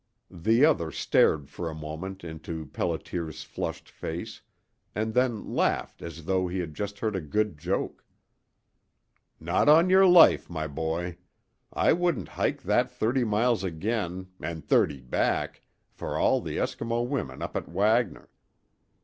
The other stared for a moment into Pelliter's flushed face, and then laughed as though he had just heard a good joke. "Not on your life, my boy. I wouldn't hike that thirty miles again an' thirty back for all the Eskimo women up at Wagner."